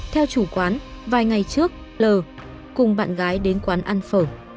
theo chủ quán vài ngày trước l cùng bạn gái đến quán ăn phở